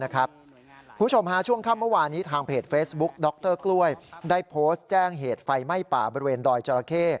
กล้วยได้โพสต์แจ้งเหตุไฟไหม้ป่าบริเวณดอยจราเข้